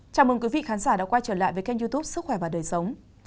chào mừng quý vị khán giả đã quay trở lại với kênh youtube sức khỏe và đời sống